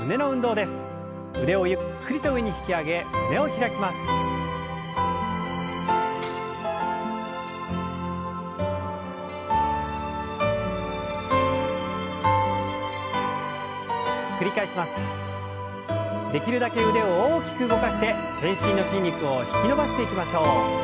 できるだけ腕を大きく動かして全身の筋肉を引き伸ばしていきましょう。